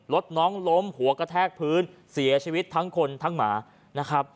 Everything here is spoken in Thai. รถน้องล้มหัวกระแทกพื้นเสียชีวิตทั้งคนทั้งหมานะครับ